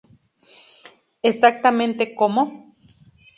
Exactamente cómo?